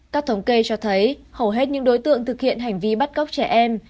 các thống kê cho thấy hầu hết những đối tượng thực hiện hành vi bắt cóc trẻ em